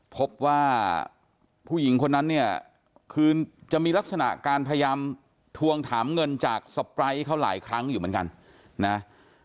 พบว่าผู้หญิงคนนั้นเนี่ยคือจะมีลักษณะการพยายามทวงถามเงินจากสไปร์ทเขาหลายครั้งอยู่เหมือนกันนะ